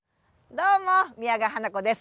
どうも宮川花子です。